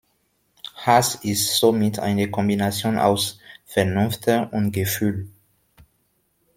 Hass ist somit eine Kombination aus Vernunft und Gefühl.